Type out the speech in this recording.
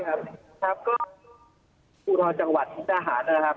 ใช่ครับก็ฟูทรจังหวัดพุทธอาหารนะครับ